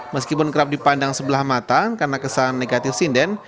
meskipun kerap dipandang sebelah mata karena kesan negatif sinden